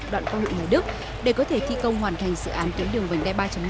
đoạn qua huyện hoài đức để có thể thi công hoàn thành dự án tuyến đường vành đai ba năm